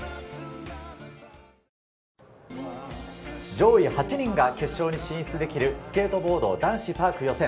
上位８人が決勝に進出できるスケートボード男子パーク予選。